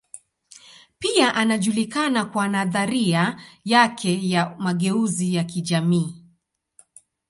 Pia anajulikana kwa nadharia yake ya mageuzi ya kijamii.